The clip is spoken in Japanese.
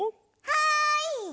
はい！